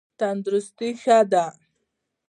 تندرستي ښه ده.